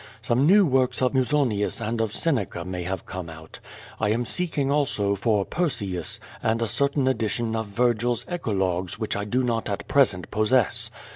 Some new works of Musonius and of Seneca may have come out. I am seeking also for Persius, and a certain edition of Vergil's Kclogues which I do not at present possess.